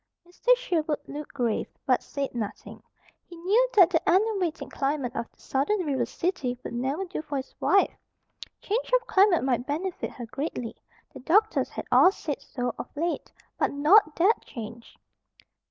Mr. Sherwood looked grave, but said nothing. He knew that the enervating climate of the Southern river city would never do for his wife. Change of climate might benefit her greatly; the doctors had all said so of late; but not that change.